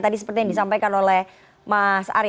tadi seperti yang disampaikan oleh mas ari